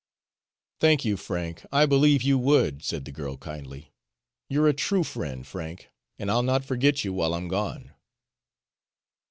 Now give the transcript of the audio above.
"Thank you, Frank, I believe you would," said the girl kindly. "You're a true friend, Frank, and I'll not forget you while I'm gone."